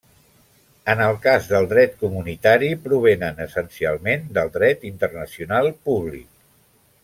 En el cas del dret comunitari, provenen essencialment del dret internacional públic.